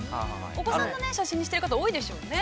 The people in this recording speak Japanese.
◆お子さんの写真にしてる方多いでしょうね。